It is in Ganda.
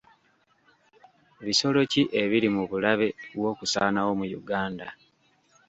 Bisolo ki ebiri mu bulabe bw'okusaanawo mu Uganda?